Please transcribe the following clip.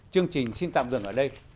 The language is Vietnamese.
chương trình xin tạm dừng ở đây